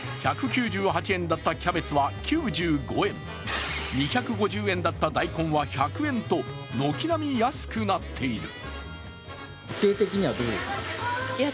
１９８円だったキャベツは９５円、２５０円だった大根は１００円と軒並み安くなっている。